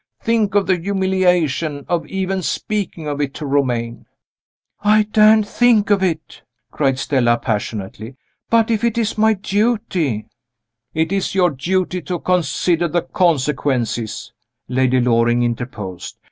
Think of the humiliation of even speaking of it to Romayne!" "I daren't think of it," cried Stella passionately. "But if it is my duty " "It is your duty to consider the consequences," Lady Loring interposed.